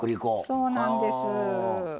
そうなんです。